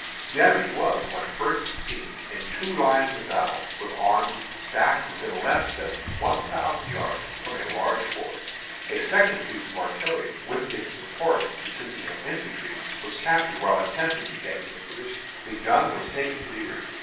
The enemy was, when first seen, in two lines of battle, with arms stacked within less than one thousand yards of the large force. A second piece of artillery, with its support, consisting of infantry, was captured while attempting to get into position. The gun was taken to the rear.